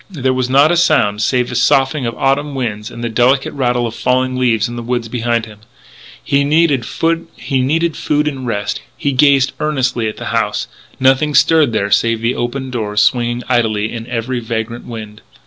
There was not a sound save the soughing of autumn winds and the delicate rattle of falling leaves in the woods behind him. He needed food and rest. He gazed earnestly at the house. Nothing stirred there save the open doors swinging idly in every vagrant wind.